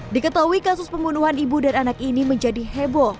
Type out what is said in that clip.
diketahui kasus pembunuhan ibu dan anak ini menjadi heboh